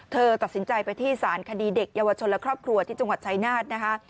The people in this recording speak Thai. เธอตัดสินใจไปที่สารคดีเด็กเยาวชนและครอบครัวที่จังหวัดชายนาฏนะคะ